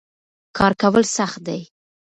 کار کول سخت دي.